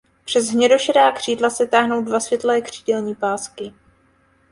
Přes šedohnědá křídla se táhnou dva světlé křídelní pásky.